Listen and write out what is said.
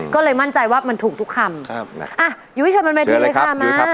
ก็เลยมั่นใจว่ามันถูกทุกคำอยู่ที่เฉยเลยค่ะมาค่ะอยู่ครับ